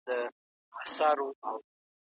ليکوال ويلي چي د موسى جان کيسه يې خوښه ده.